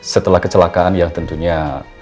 setelah kecelakaan yang tentunya